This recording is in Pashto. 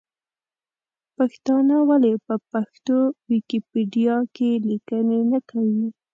پښتانه ولې په پښتو ویکیپېډیا کې لیکنې نه کوي ؟